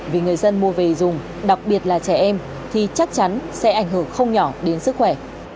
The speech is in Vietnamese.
vì người dân mua về dùng đặc biệt là trẻ em thì chắc chắn sẽ ảnh hưởng không nhỏ đến sức khỏe